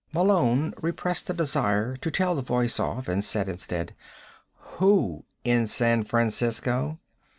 Malone repressed a desire to tell the voice off, and said instead: "Who in San Francisco?"